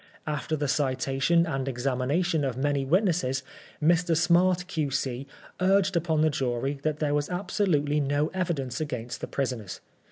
After the citation and examination of many witnesses, Mr. Smart, Q.C., urged upon the jury that there was absolutely no evidence against the prisoners.